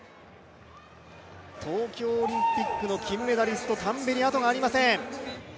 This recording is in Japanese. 東京オリンピックの金メダリスト、タンベリにあとがありません。